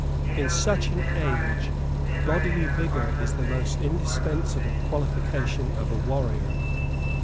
In such an age bodily vigour is the most indispensable qualification of a warrior.